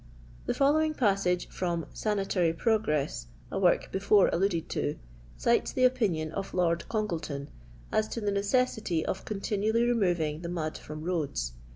The following passage from "Sanatory Pro gTMS^" a work before alluded to, cites the opinion of Lotd Oongleton as to the necessity of con tinually removing the mud from roads.